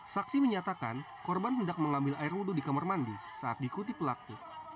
saksi menyatakan korban hendak mengambil air wudhu di kamar mandi saat diikuti pelaku